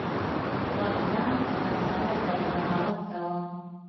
خپل ځان را سره دی بغاوت کوم